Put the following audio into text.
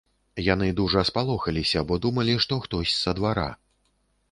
Яны дужа спалохаліся, бо думалі, што хтось са двара.